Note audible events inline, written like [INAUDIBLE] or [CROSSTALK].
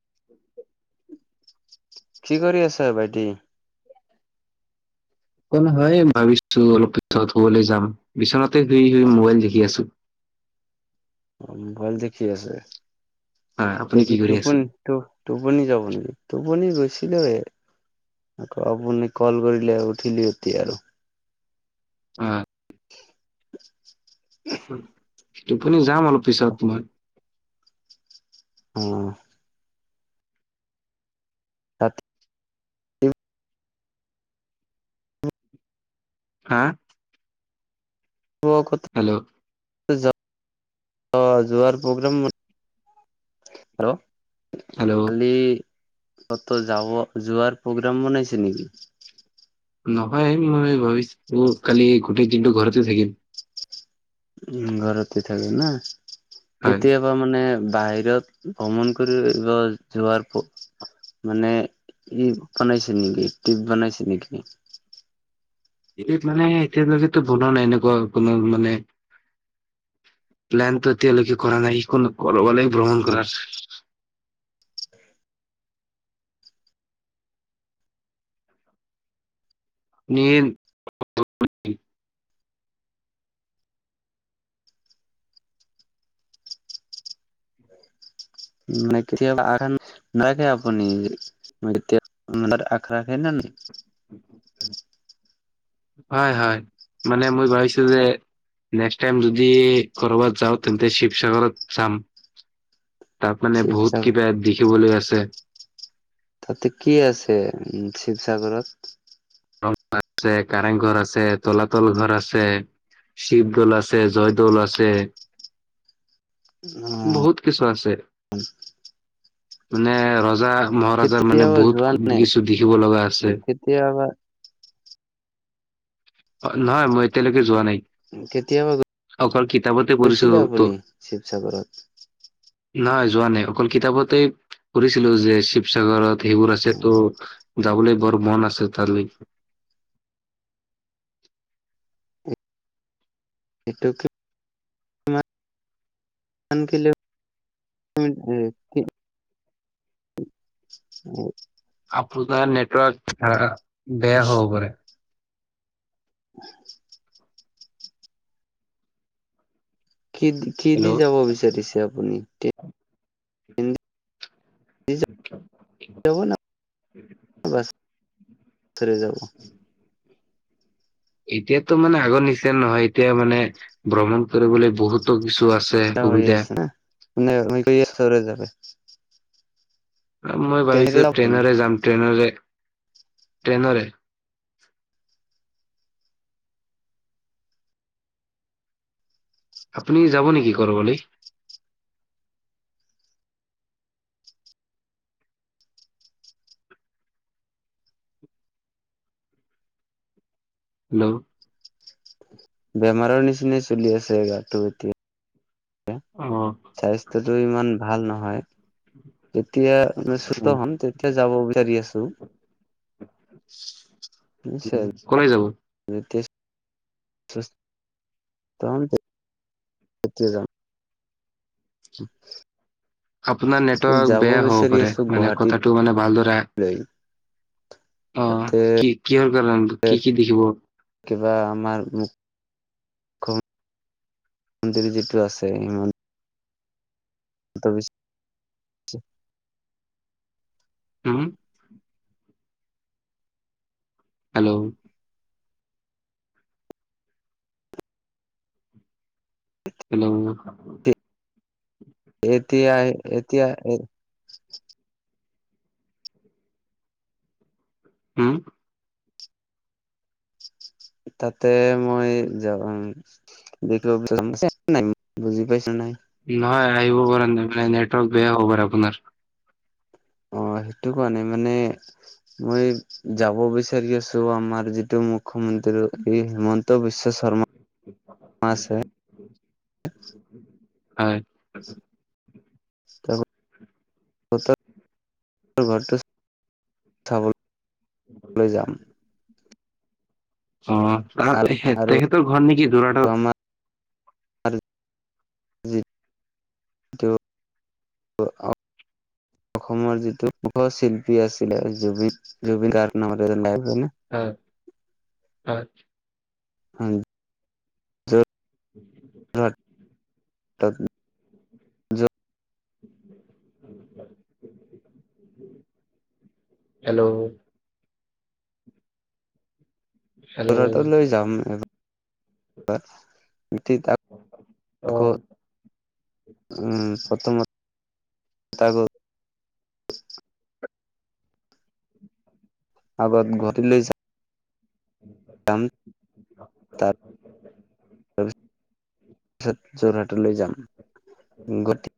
[INAUDIBLE] কি কৰি আছা ভাইটি? অ' নহয় ভাবিছোঁ অলপ পিছত শুবলৈ যাম, বিচনাতে শুই শুই মোবাইল দেখি আছোঁ। অ' মোবাইল দেখি আছে, হা আপুনি এতিয়া কি কৰি আছে টোপনি ত' টোপনি যাব নেকি? টোপনি গৈছিলৱে। আকৌ আপুনি কল কৰিলে, উঠিলি এতিয়া আৰু। [UNINTELLIGIBLE] [INAUDIBLE] টোপনি যাম অলপ পিছত মই। অ'। ৰাতিপুৱা হা? ক'ত [UNINTELLIGIBLE] হেল্ল'। যোৱাৰ প্ৰব্লেম হেল্ল'। হেল্ল' কালি ক'ত বা যোৱাৰ প্ৰগ্ৰাম বনাইছে নেকি? নহয় মই ভাবিছোঁ ম কালি গোটেই দিনটো ঘৰতে থাকিম। উ ঘৰতে থাকে না কেতিয়াবা হয় কেতিয়াবা মানে বাহিৰত ভ্ৰমণ কৰিব যোৱাৰ মানে ই বনাইছে নেকি টিপ বনাইছে নেকি। এই মানে এতিয়ালৈকে তো বনোৱা নাই এনেকুৱা কোনো মানে প্লোনটো এতিয়ালৈকে কৰা নাই কোনো কৰবালে গলে ভ্ৰমণ কৰাৰ। নীল। [UNINTELLIGIBLE] নতি নখে আপুনি ম ন আখৰা আখে [UNINTELLIGIBLE] হয়, হয় মানে মই ভাবিছোঁ যে নেক্সট টাইম যদি কৰবাত যাওঁ তেন্তে শিৱসাগৰত যাম। তাত মানে বহুত শিৱসাগৰ কিবা দেখিবলৈ আছে। তাতে কি আছে উ শিৱসাগৰত? ৰংঘৰ আছে কাৰেং ঘৰ আছে তলাতল ঘৰ আছে। শিৱদৌল আছে জয়দৌল আছে। অ বহুত কিছু আছে মানে ৰজা মহাৰাজাৰ মানে কেতিয়াবা বহুত কিছু দেখিব লগা আছে। তেতিয়াবা। অ', নহয় মই এতিয়ালৈকে যোৱা নাই। কেতিয়াবা অকল কিতাপতে পঢ়িছো গৈছিলে ত আপুনি শিৱসাগৰত? নহয় যোৱা নাই অকল কিতাপতে পঢ়িছিলোঁ যে শিৱসাগৰত সেইবোৰ আছে অ', ত' যাবলৈ বৰ মন আছে তালৈ। সেইটো কি [UNINTELLIGIBLE] ধ কে ল [UNINTELLIGIBLE] [INAUDIBLE] আপোনাৰ নেটৱৰ্ক বেয়া হ'ব পাৰে। [INAUDIBLE] কি দি কি দি যাব হেল্ল' বিচাৰিছে আপুনি। হ ন [UNINTELLIGIBLE] যাব‌ না বাচেৰে যাব। [INAUDIBLE] এতিয়াতো মানে আগৰ নিচিনা নহয় এতিয়া মানে ভ্ৰমণ কৰিবলৈ বহুত তো কিছু আছে অ সুবিধা আছে না ন ম যাব [UNINTELLIGIBLE] মই ট্ৰেইনেৰে ভাবিছোঁ আপুনি ট্ৰেইনৰে যাম ট্ৰেইনৰে ট্ৰেইনৰে। আপুনি যাব নেকি কৰিবলৈ। হেল্ল'। বেমাৰৰ নিচিনা চলি আছে গাটো এতিয়া। অ স্বাস্থ্যতটো ইমান ভাল নহয়। যেতিয়া আ চুত অ। [UNINTELLIGIBLE] হ'ম তেতিয়া যাব বিচাৰি আছোঁ। উ নিশ্চয় কলৈ যাব। [INAUDIBLE] তেতিয়া যাম। অ [INAUDIBLE] আপোনাৰ নেটৱৰ্ক বেয়া হ'ব বিচাৰি পাৰে, আছো মানে গুৱাহাটীলৈ কথাটো মানে ভালদৰে। তাতে অ' কি কিহৰ কাৰণে, কি কি দেখিব। কিবা আমাৰ। মন্দিৰ যিটো আছে। ত বিশয় [INAUDIBLE] হুম। হেল্ল'। হেল্ল'। এতিয়া আহ এতিয়া। হুম। তাতে মই যাম। দেখিব বি নাই বুজি পাইছো নাই? নহয় আহিব পাৰ মানে নেটৱৰ্ক বেয়া হ'ব পাৰে আপোনাৰ। অ' সেইটো কোৱা নাই মানে। মই যাব বিচাৰি আছো আমাৰ যিটো মুখ্যমন্ত্ৰী এই হিমন্ত বিশ্ব। বিশ শৰ্মা আছে। হয়। ঘৰটো চাবলৈ যাম। অ ত আৰু আৰু তেখেতৰ ঘৰত নেকি দৰা। [UNINTELLIGIBLE] আমাৰ ি [INAUDIBLE] অসমৰ যিটো মুখ শিল্পী আছিলে জুবিন জুবিনাৰ নাম এ লাই হয় নে [INAUDIBLE] হয় হয়। হয়। উ [UNINTELLIGIBLE] ন ত [INAUDIBLE] হেল্ল'। লৈ যাম য ত আকৌ [INAUDIBLE] উম প্ৰথমত। আগত ঘটি লৈছে [INAUDIBLE] উম। জাম তাত। যোৰহাটলৈ যাম গতি।